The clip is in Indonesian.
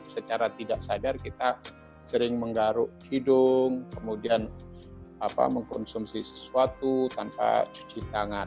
secara tidak sadar kita sering menggaruk hidung kemudian mengkonsumsi sesuatu tanpa cuci tangan